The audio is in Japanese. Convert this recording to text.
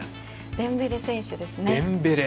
デンベレ選手ですね。